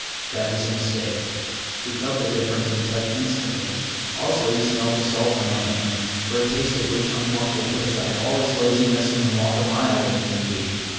That was a mistake. He felt the difference in the touch instantly. Also he smelled the salt in my hand, for a taste of which Unk Wunk will put aside all his laziness and walk a mile, if need be.